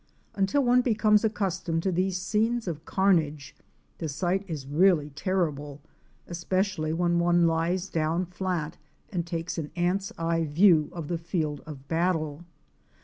Until one becomes accustomed to these scenes of carnage the sight is really terrible, especially when one lies down flat and takes an ant's eye view of the field of battle.